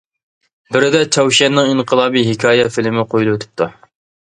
بىرىدە چاۋشيەننىڭ ئىنقىلابى ھېكايە فىلىمى قويۇلۇۋېتىپتۇ.